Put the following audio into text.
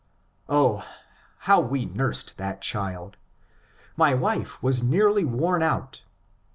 Oh, how we nursed that child I My wife was nearly worn out.